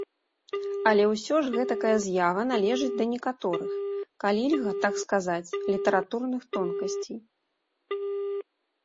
Але ўсё ж гэтакая з'ява належыць да некаторых, калі льга так сказаць, літаратурных тонкасцей.